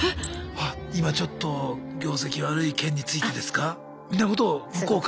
「今ちょっと業績悪い件についてですか？」